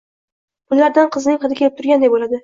Pullardan qizining hidi kelib turganday boʻladi.